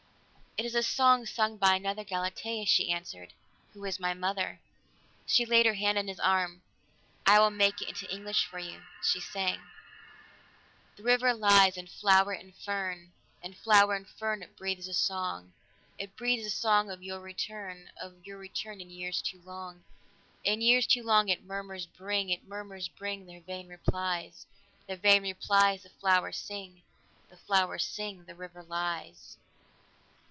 "It is a song sung by another Galatea," she answered, "who is my mother." She laid her hand on his arm. "I will make it into English for you." She sang: "The River lies in flower and fern, In flower and fern it breathes a song. It breathes a song of your return, Of your return in years too long. In years too long its murmurs bring Its murmurs bring their vain replies, Their vain replies the flowers sing, The flowers sing, 'The River lies!'"